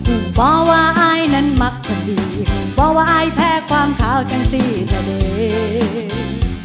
อุ้บ่าว่าอายนั้นมักพอดีบ่าว่าอายแพ้ความขาวจังสีเท่าเดีย